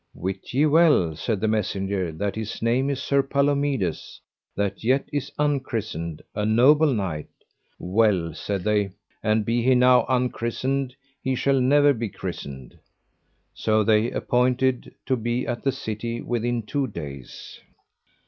Wit ye well, said the messenger, that his name is Sir Palomides, that yet is unchristened, a noble knight. Well, said they, an he be now unchristened he shall never be christened. So they appointed to be at the city within two days.